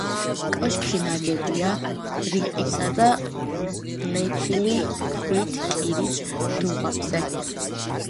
კოშკი ნაგებია რიყისა და ფლეთილი ქვით კირის დუღაბზე.